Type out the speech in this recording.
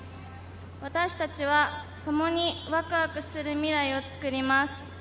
私達は、ともにワクワクする未来を作ります。